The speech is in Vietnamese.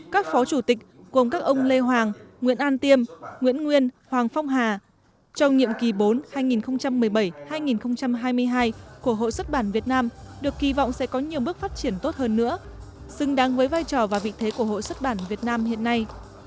các phó chủ tịch gồm các ông lê hoàng nguyễn an tiêm nguyễn nguyên hoàng phong hà trong nhiệm kỳ bốn hai nghìn một mươi bảy hai nghìn hai mươi hai của hội xuất bản việt nam được kỳ vọng sẽ có nhiều bước phát triển tốt hơn nữa xứng đáng với vai trò và vị thế của hội xuất bản việt nam hiện nay